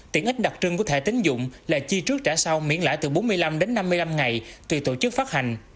tiện ích đặc trưng của thẻ tính dụng là chi trước trả sau miễn lãi từ bốn mươi năm đến năm mươi năm ngày tùy tổ chức phát hành